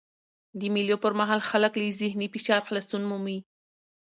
د مېلو پر مهال خلک له ذهني فشار خلاصون مومي.